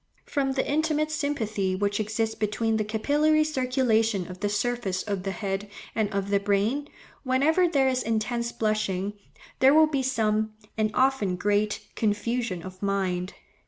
From the intimate sympathy which exists between the capillary circulation of the surface of the head and of the brain, whenever there is intense blushing, there will be some, and often great, confusion of mind.